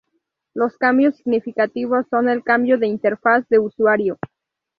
Los cambios significativos son el cambio de interfaz de usuario.